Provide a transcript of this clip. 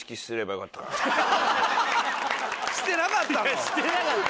してなかったの？